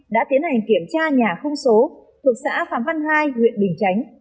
đã tiến hành kiểm tra nhà không số thuộc xã phạm văn hai huyện bình chánh